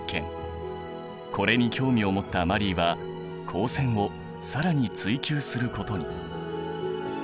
これに興味を持ったマリーは光線を更に追究することに。